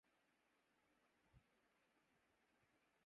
عنقا ہے اپنے عالَمِ تقریر کا